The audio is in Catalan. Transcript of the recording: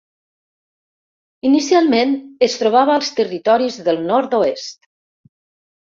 Inicialment, es trobava als Territoris del Nord-oest.